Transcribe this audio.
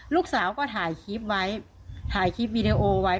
ลูกสาวก็ถ่ายคลิปไว้ถ่ายคลิปวีดีโอไว้